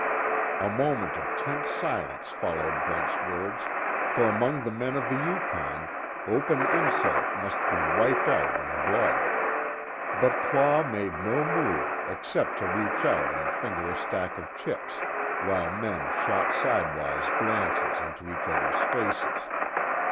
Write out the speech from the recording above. A moment of tense silence followed Brent's words, for among the men of the Yukon, open insult must be wiped out in blood. But Claw made no move except to reach out and finger a stack of chips, while men shot sidewise glances into each other's faces.